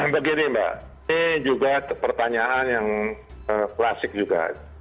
begini mbak ini juga pertanyaan yang klasik juga